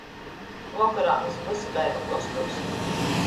Vokorā mes vysu gaidom gostūs.